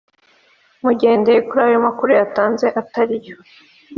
mugendeye kuri ayo makuru yatanze atari yo